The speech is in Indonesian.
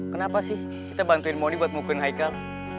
kenapa sih kita bantuin mondi buat mukulin haikal